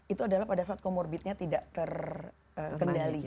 itu adalah pada saat comorbidnya tidak terkendali